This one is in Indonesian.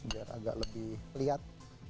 biar agak lebih lihat